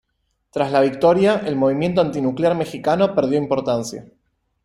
Tras la victoria, el movimiento antinuclear mexicano perdió importancia.